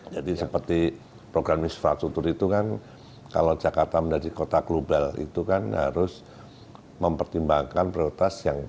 jadi seperti program infrastruktur itu kan kalau jakarta menjadi kota global itu kan harus mempertimbangkan prioritas yang